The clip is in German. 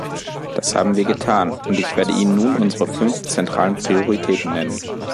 Das haben wir getan, und ich werde Ihnen nun unsere fünf zentralen Prioritäten nennen.